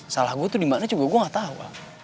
salah gue tuh dimana juga gue gak tau